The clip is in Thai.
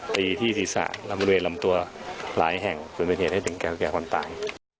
ตีที่ศีรษะลำเวลลำตัวหลายแห่งเป็นเหตุให้จังแก้วแก้วคนตาย